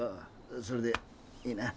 それでいいな。